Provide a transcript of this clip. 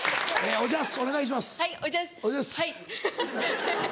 おじゃす。